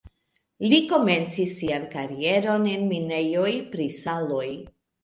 Li komencis sian karieron en minejoj pri saloj.